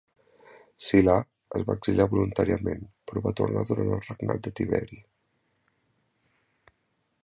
Silà es va exiliar voluntàriament, però va tornar durant el regnat de Tiberi.